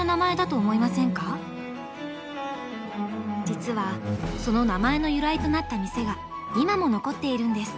実はその名前の由来となった店が今も残っているんです。